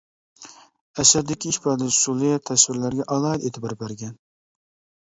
ئەسەردىكى ئىپادىلەش ئۇسۇلى، تەسۋىرلەرگە ئالاھىدە ئېتىبار بەرگەن.